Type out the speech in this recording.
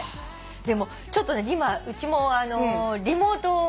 でもちょっと今うちもリモートを。